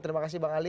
terima kasih bang ali